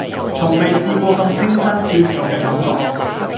從來未試過咁清新脫俗嘅感覺